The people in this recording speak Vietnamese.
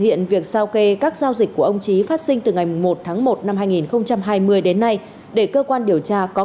hiện việc sao kê các giao dịch của ông trí phát sinh từ ngày một tháng một năm hai nghìn hai mươi đến nay để cơ quan điều tra có